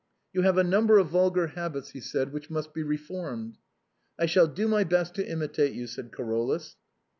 " You have a num ber of vulgar habits," he said, " which must be reformed." " I shall do my best to imitate you," said Carolus.